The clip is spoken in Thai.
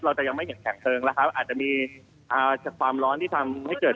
เราจะยังไม่เห็นแข็งเพลิงนะครับอาจจะมีอ่าจากความร้อนที่ทำให้เกิด